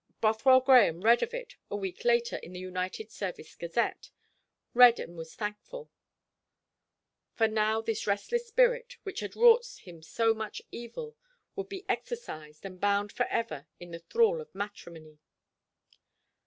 Bothwell Grahame read of it a week later in the United Service Gazette, read and was thankful; for now this restless spirit, which had wrought him so much evil, would be exorcised and bound for ever in the thrall of matrimony.